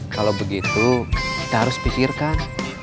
kalau begitu kita harus pikirkan